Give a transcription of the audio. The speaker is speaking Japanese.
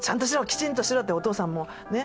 きちんとしろ！」ってお父さんもね